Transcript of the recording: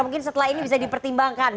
mungkin setelah ini bisa dipertimbangkan